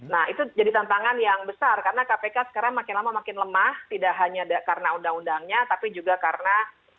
nah itu jadi tantangan yang besar karena kpk sekarang makin lama makin lemah tidak hanya karena undang undangnya tapi juga karena